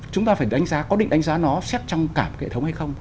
chúng ta phải đánh giá có định đánh giá nó xét trong cả hệ thống hay không